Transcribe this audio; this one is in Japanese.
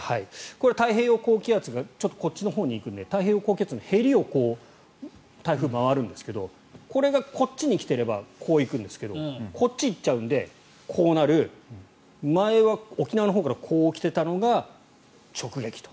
太平洋高気圧がこっちのほうに行くので太平洋高気圧のへりを台風は回るんですがこれがこっちに来ていればこう行くんですがこっちに行っちゃうのでこうなる前は沖縄のほうからこう来ていたのが直撃と。